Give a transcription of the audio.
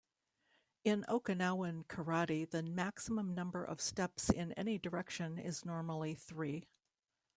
In Okinawan karate the maximum number of steps in any direction is normally three.